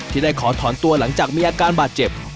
ได้ขอถอนตัวหลังจากมีอาการบาดเจ็บ